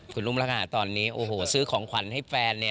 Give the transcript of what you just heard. คุณอุ้มลักษณะตอนนี้โอ้โหซื้อของขวัญให้แฟน